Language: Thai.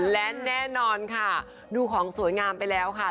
และแน่นอนค่ะดูของสวยงามไปแล้วค่ะ